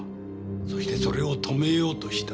そしてそれを止めようとした。